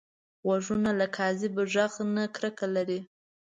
غوږونه له کاذب غږ نه کرکه لري